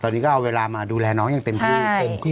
ตอนนี้ก็เอาเวลามาดูแลน้องอย่างเต็มที่